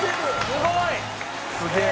すごい！